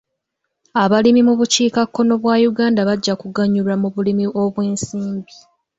Abalimi mu bukiikakkono bwa Uganda bajja kuganyulwa mu bulimi obw'ensimbi.